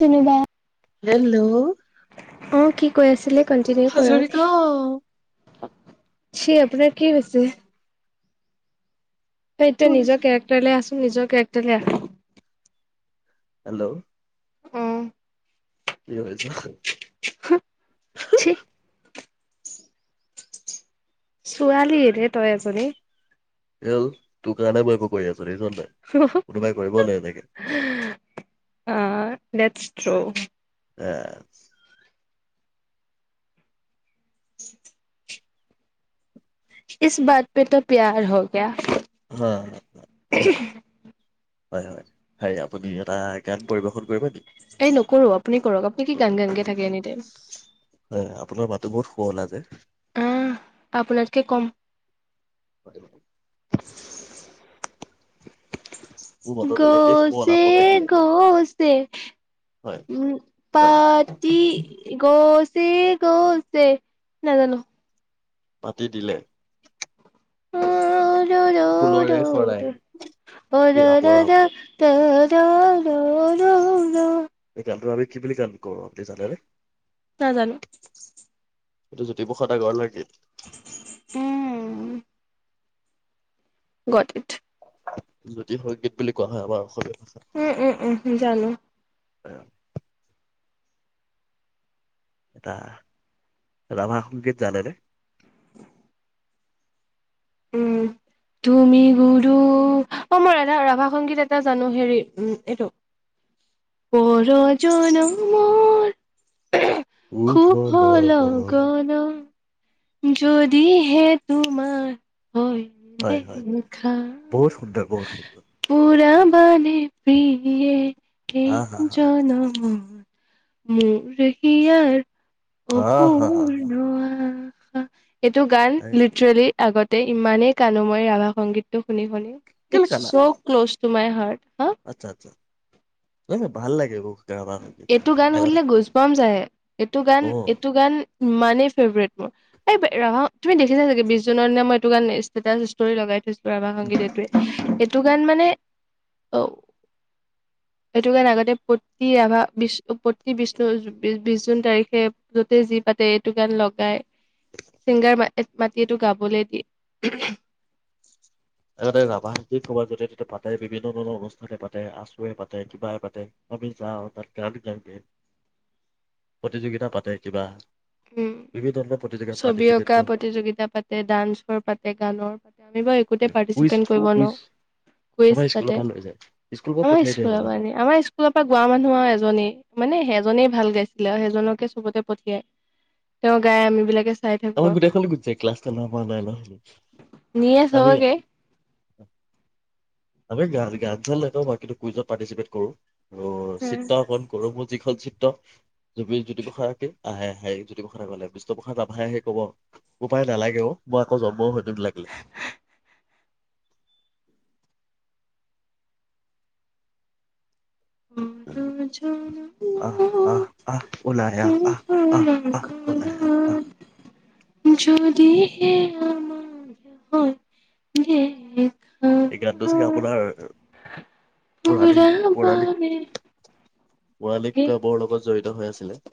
ধন্যবাদ হেল্ল' অ কি কৈ আছিলে কন্টিনিউ কৰক হাজৰিকা সেই আপোনাৰ কি হৈছে তই এতিয়া তোৰ নিজৰ কেৰেক্টাৰলে আছোন নিজৰ কেৰেক্টাৰলে আহ হেল্ল' আহ ছোৱালী ৰে তই এজনী কিহল তোৰ কাৰণে মই এইবোৰ কৰি আছো দেখিচনাই কোনোবাই কৰিব নে এনেকে অ লেটছ থ্ৰ' এ [unintelligible] ইচ বাত পে টো পিয়াৰ হো গৈয়া হা', হা'। হয়, হয় হেৰি আপুনি এটা গান পৰিৱেশন কৰিব নেকি? এই নকৰো আপুনি কৰক, আপুনি কি গান গান কে থাকে এনি টাইম। হয়, আপোনাৰ মাতো বহুত শুৱলা যে। আহ আপোনাৰ কে ক'ম। গতিকে গছে গছে পাতি গছে গছে নাজানোঁ। পাতি দিলে। অ ৰুৰু দ অ ৰাৰা। তাৰাৰা ৰৌৰা এই গানটো আমি কি বুলি গান কওঁ আপুনি জানেনে? নাজানোঁ। এইটো জ্যোতিপ্ৰসাদ আগৰৱালাৰ গীত। উম। গুৱাহাটীত। জ্যোতি সংগীত বুলি কোৱা হয় আমাৰ অসমীয়া ভাষা। উম, উম, উম জানোঁ। সেইয়া। এটা ৰাভা সংগীত জানেনে? উম। তুমি গুৰু অ' মই ৰাধা ৰাভা সংগীত এটা জানো। হেৰি উম এইটো পৰ জনমৰ সুভ লগনত যদি হে তোমাৰ হয় দেখা। - পুৰা বানে প্ৰিয়ে এই জনমত মোৰ হিয়াৰ অপূৰ্ণ এইটো গান লিটৰেলি আগতে ইমানেই কান্দো মই ৰাভা সংগীতটো শুনি শুনি it's so close to my heart হা'। আচ্ছা, আচ্ছা। নাই নাই ভাল লাগে মোক। এইটো গান শুনিলে গুজ পাম যায়, এইটো গান এইটো গান ইমানেই ফেভৰেট মোৰ। এই ৰাভা তুমি দেখিছা চাগে বিশ জুনৰ দিনা মই এইটো গান ষ্টেটাছ লগাই থৈছোঁ ৰভা সংগী এইটোৱে। এইটো গান মানে অ' এইটো গান আগতে বহুত ৰাভা বি প্ৰতি বিষ্ণু বিশ জুন তাৰিখে য'তে পাতে এইটো গান লগায়। চিংগাৰ মা মাটি এইটো গাবলে দিয়ে। এ ৰাভা সংগীত ক'ৰবাত য'তে তাতে পাতে, বিভিন্ন ধৰণৰ অনুষ্ঠানে পাতে আছুয়ে পাতে কিবাই পাতে আমি যাওঁ তাত গান গাওঁগে প্ৰতিযোগিতা পাতে কিবা উম বিভিন্ন ধৰণৰ প্ৰতিযোগিতাত ছবি পাৰ্টিচিপেট অঁকা কৰ প্ৰতিযোগিতা পা পাতে ডান্সৰ পাতে গানৰ পাতে আমি বাৰু একোতে পাৰ্টিচিপেট কৰিব নোৱাৰোঁ। কুইছ পাতে, আমাৰ স্কুলৰপা নিয়ে, আমাৰ স্কুলত স্কুলৰ পৰা গোৱা মানুহ আৰু এজনেই মানে, সেইজনেই ভাল গাইছিলে আৰু, সেইজনকে চবতে পঠিয়াই। তেওঁ গাই আমি বিলাকে চাই থাকোঁ আমাৰ আৰু। গোটেইখনে গুছি যায় ক্লাছটো [unintelligible] নিয়ে আমি চবকে। আমি গা গান চান নাগাও বা কিন্তু কুইজত পাৰ্টিচিপেট কৰোঁ আৰু উম। চিত্ৰঅংকন। কৰোঁ মোৰ যিখন‌ চিত্ৰ জুপি জুটি [unintelligible] আহে আহে জ্যোতিপ্ৰসাদ আগৰৱালা বিষ্ণুপ্ৰসাদ ৰাভাইহে কব। বোপায় নালাগে অ মই আকৌ জন্মও হয়তো লাগিলে। [unintelligible] পৰ জনমত সুভ লগনত যদি আমাৰ হয় দে [unintelligible] এই গানটো চাগে আপোনাৰ পৰাণিক পুৰা পৌৰাণিক বাৰে ৱালিম ক্লাবৰ লগত জড়িত হৈ আছিলে।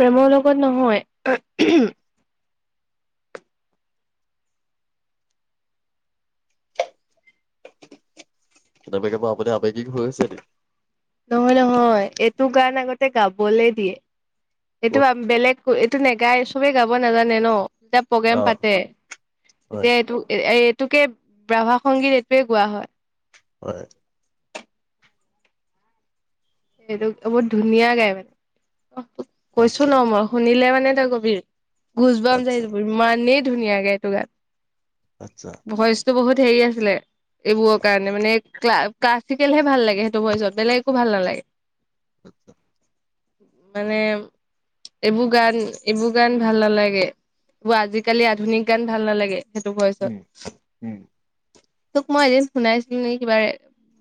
প্ৰেমৰ লগত নহয় [unintelligible] কেতিযাবা কেতিয়াবা আপুনি আবেগিক হৈ আছে নি? নহয় নহয় এইটো গান আগতে গাবলে দিয়ে, এইটো বেলেগ এইটো নোগায় চবে গাব নাজানে ন। যেতিয়া প্ৰগ্ৰেম পাতে তেতিয়া এইটো এই এইটোকে ৰাভা সংগীত এইটোৱে গোৱা হয়। হয়। এইটো বহুত ধুনীয়া গাই মানে, [unintelligible] কৈছো ন মই। শুনিলে মানে তই কবি গুজবামচ আহি যাব ইমানেই ধুনীয়া গাই এইটো গান। আচ্ছা। ভইচটো বহুত হেৰি আছিলে। এইবোৰৰ কাৰণে মানো ক্লা-ক্লাছিকেলহে ভাল লাগে সেইটো ভইচত বেলেগ একো ভাল নালাগে। আচ্ছা। মানে এইবোৰ গান এইবোৰ গান ভাল নালাগে এইবোৰ আজিকালি আধুনিক গান ভাল নালাগে। সেইটো ভৈছত। তোক মই এদিন শুনাইছিলো নেকি কিবা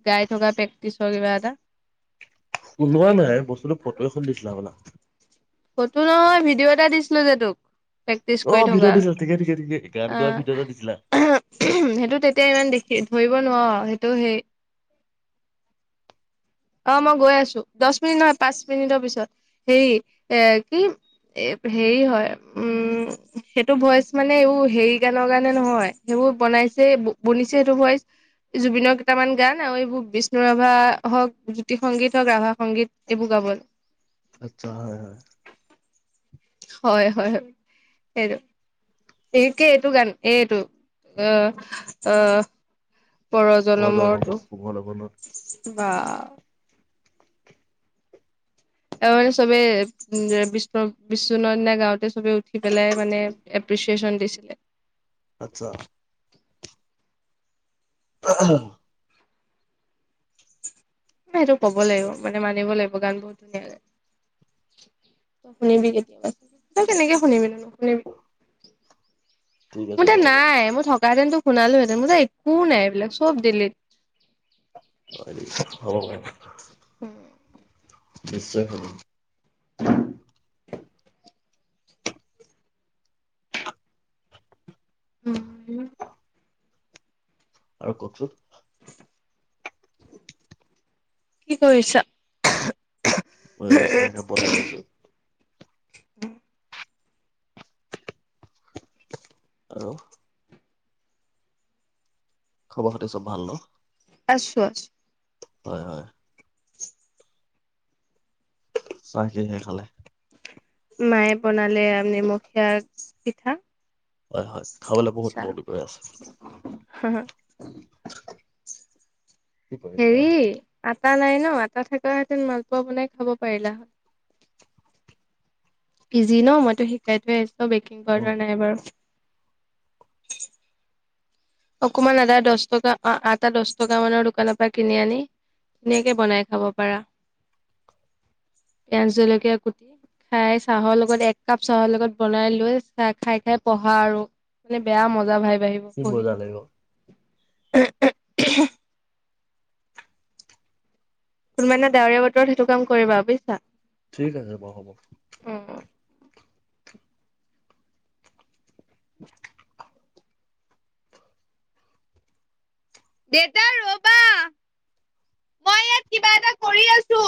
গাই থকা প্ৰেক্টিচৰ কিবা এটা। শুনোৱা নাই বস্তুটো ফটো এখন দিছিলা আপোনাক। ফটো নহয় ভিডিঅ' এটা দিছিলো যে তোক। প্ৰেক্টিচ কৰি থকা, আহ [unintelligible] সেইটো তেতিয়া ইমান দেখি ধৰিব নোৱাৰো সেইটো সেই অ মই গৈ আছো দশ মিনিট নহয় পাঁচ মিনিটৰ পিছত, হেৰি এ কি এই হেৰি হয় উম সেইটো ভইচ মানে এই হেৰি গানৰ কাৰণে নহয়। সেইবোৰ বনাইছে বনিছে সেইটো ভইচ জুবিনৰ কেইটামান গান আৰু এইবোৰ বিষ্ণু ৰাভা হওক জ্যোতি সংগীত হওক ৰাভা সংগীত এইবোৰ গাব আচ্ছা হয় হয়। হয় হয় সেইটো। এই কে এইটো গান এইটো অ অ [unintelligible] শুভ লগণত। বাহ। এ মানে চবে [unintelligible] বিশ্ব ননা গাওঁতে সবে উঠি পেলাই মানে এপ্ৰিচিয়েচন দিছিলে। আচ্ছা। [inaudible] সেইটো ক'ব লাগিব মানিব লাগিব গান ধুনীয়া গায়। তই শুনিবি কেতিয়াবা টো কেনেকে শুনিবি নু নুশুনিবি। মোৰ তাত নাই মই থকাহেতেনতো শুনালোহেতেন মোৰ তাত একো নি মোৰ তাত একো নাই এইবিলাক চব ডিলিট। অ' নিশ্চয় হ'ব। [inaudible] উম। আৰু কওকচোন। কি কৰিছা। অ' চাক কাপ বনাই আছো। [inaudible] আৰু। খবৰ খাতি চব ভাল ন' আছো আছো। হয় -হয়। চাহ কিহেৰে খালে। মায়ে বনালে আ নিমখীয়া পিঠা। হয় -হয় খাবলৈ বহুত চাহ। মনটো গৈ আছে। হেৰি আটা নাই ন' আটা থকা হেতেন মালপোৱা বনাই খাব পাৰিলা হয়। ইজি ন' মইতো শিকাই থৈ আহিছো বেকিং পাউদাৰ নাই বাৰু। অকমান আদা দহ টকা অ' আটা দহ টকা মানৰ দোকানৰ পৰা কিনি আনি। ধুনীয়াকে বনাই খাব পাৰা পিয়াজ জলকীয়া কুটি। খাই চাহৰ লগত এক কাপ চাহৰ লগত বনাই লৈ চাহ খাই খাই পঢ়া আৰু। মানে বেয়া মজা ভাই বাঢ়িব পঢ়ি। কোনোবা এদিনা ডাৱৰীয়া বতৰত সেইটো কাম কৰিবা বুজিছা। ঠিক আছে বাৰু হ'ব। উম। দেতা ৰবা, মই ইয়াত কিবা এটা কৰি আছো।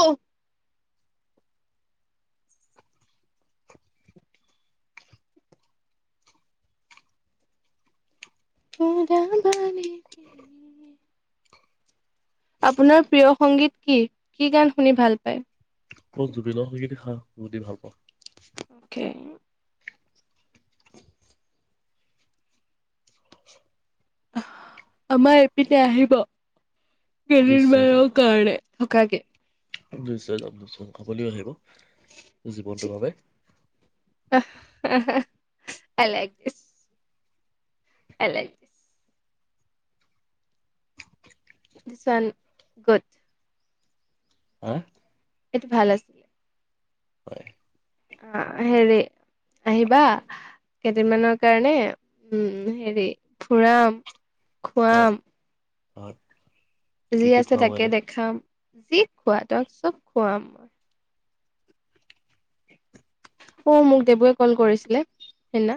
[unintelligible] আপোনাৰ প্ৰিয় সংগীত কি? কি গান শুনি ভাল পায়। ক জুবিনৰ সংগীত সা শুনি ভাল পাওঁ। [inaudible] [inaudible] আমাৰ এপিনে আহিব কেইদিন মানৰ কাৰণে থকাকে। নিশ্চয় যাম নিশ্চয় আপুনিও আহিব জীৱনটোৰ বাবে। I like dish. I like [inaudible] good অ' এইটো ভাল আছিল। হয়। আ হেৰি আহিবা। কেইদিনমানৰ কাৰণে উম হেৰি ফুৰাম। উম খুৱাম হয়। যি আছে তাকে দেখাম, যি খোৱা তোক চব খুৱাম। মই সৌ মোক দেবুৱে ক'ল কৰিছিলে সেইদিনা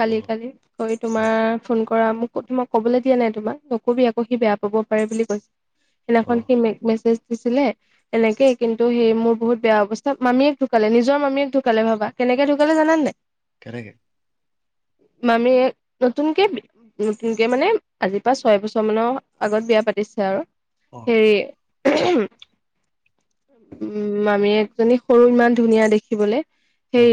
কালি কালি। কৰি তোমাৰ ফোন কৰা মোক তোমাক কবলৈ দিয়া নাই তোমাক নকবি আকৌ সি বেয়া পাব পাৰে বুলি কৈছে। সেইদিনাখন সি মেচেজ দিছিলে। এনেকে কিন্তু সেই মোৰ বহুত বেয়া অৱস্থা মামীয়ে ঢুকালে নিজৰ মামীয়ে ঢু ঢুকালে ভাবা কেনেকে ঢুকালে জানানে নাই। কেনেকে। মামীয়ে নতুনকে বি নতুনকে মানে আজিৰ পৰা ছয় বছৰ মানৰ আগত বিয়া পাতিছে আৰু। হেৰি [unintelligible] উম, মামীয়েক জনী সৰু ইমান ধুনীয়া দেখিবলে সেই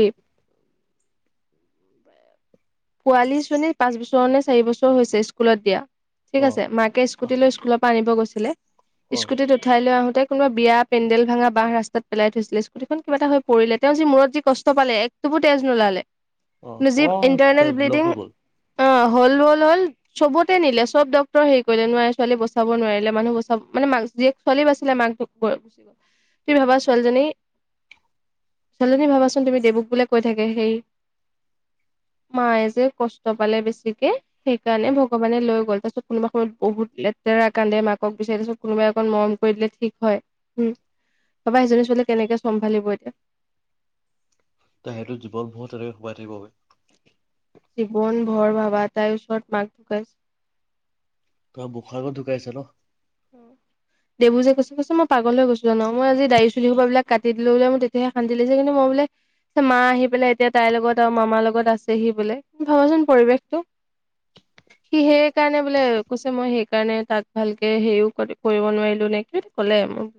পোৱালি জনীয়ে পাঁচ বছৰ নে চাৰি বছৰ হৈছে স্কুলত দিয়া ঠিক আছে মাকে স্কুট লৈ স্কুলৰ পৰা আনিব গৈছিলে স্কুটিত উঠাই লৈ আহোতে কোনোবা বিয়া পেণ্ডেল ভাঙা বাহ ৰাস্তাত পেলাই থৈছিলে স্কুটীখন কিবা এটা হৈ পৰিলে তেওঁ যি মূৰত যি কষ্ট পালে এক টোপো তেজ নোলালে। অহ কিন্তু যি অ' ইণ্টাৰনেল ব্লিডিং অ'হ'ল হ'ল চবতে নিলে চব ডক্টৰে হেৰি কৰিলে নোৱাৰে ছোৱালী বচাব নোৱাৰিলে মানুহ বচাব মানে জীয়েক ছোৱালী বাচিলে মাকটো গ'ল তুমি ভাবা ছোৱালীজনী ছোৱালীজনী ভাবাচোন তুমি দেবকুলে কৈ থাকে সেই মায়ে যে কষ্ট পালে বেছিকে সেইকাৰণে ভগৱানে লৈ গ'ল তাৰপিছত কোনোবা সময়ত বহুত লেতেৰা কান্দে মাকক বিচাৰি পিছত কোনোবাই অকণ মৰম কৰি দিলে ঠিক হয়। উম, ভাবা সেইজনী ছোৱালী কেনেকে চম্ভালিব এতিয়া। তো সেইতো জীৱন বহুতৰে সোমাই থাকিব গৈ। জীৱন ভৰ ভাবা তাইৰ ওচৰত মাক ঢুকাইছে। তাৰ মুখৰ আগত ঢুকাইছে ন। [inaudible] দেবুজে কৈছে কৈছে মই পাগল হৈ গৈছো জানো মই আজি দাৰি চুলি সোপা বিলাক কাটি দিলো তেতিয়াহে শান্তি লাগিছে কিন্তু মই বোলে মা আহি পেলাই এতিয়া তাইৰ লগত আৰু মামাৰ লগত আছেহি বোলে ভাবাচোন পৰিৱেশটো। সি সেই কাৰণে বোলে কৈছে মই সেইকাৰণে তাত ভাল এ হেৰিও কৰিব নোৱাৰিলো নেকি কি ক'লে মোক।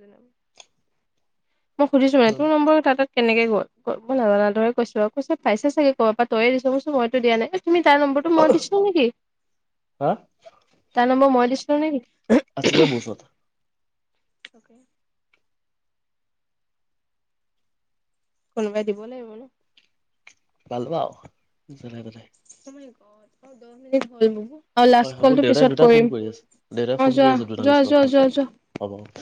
মই সুধিছো তাইক তোৰ নম্বৰ তাৰ তাত। কেনেকে গ'ল মই নাজানাৰ দৰে কৈছো আৰু কৈছে পাইছেচাগে ক'ৰবাত তই দিছ মইতো দিয়া নাই। তুমি তাৰ নম্বৰটো মই দিছিলো নেকি তাৰ নম্বৰ মই দিছিল নেকি। আছিলে মোৰ ওচৰত। [unintelligible] কোনোবাই দিব লাগিব ন '। পালোঁ আৰু যেনে তেনে। [unintelligible] অহ লাষ্ট কলটো পিছত কৰিম অহ যোৱা, যোৱা যোৱা, যোৱা, যোৱা। হ'ব।